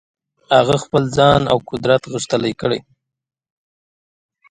هغه خپل ځان او قدرت غښتلي کړل.